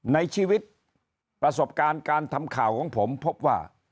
ในชีวิตประสบการณ์การทำข่าวของผมพบว่า